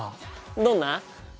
どんな？